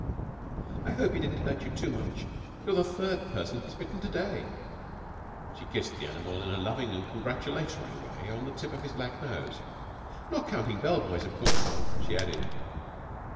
"I hope he didn't hurt you much. You're the third person he's bitten to day." She kissed the animal in a loving and congratulatory way on the tip of his black nose. "Not counting bell boys, of course," she added.